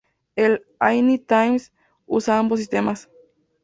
El "Ainu Times" usa ambos sistemas.